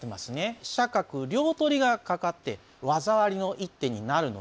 飛車角両取りがかかって技ありの一手になるので。